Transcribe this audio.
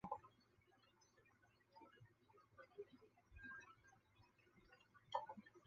这是他在军旅生涯中首次被授予指挥权。